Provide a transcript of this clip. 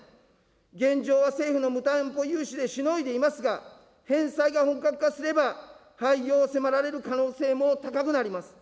現状は政府の無担保融資でしのいでいますが、返済が本格化すれば、廃業を迫られる可能性も高くなります。